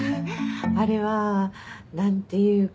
あれは何ていうか。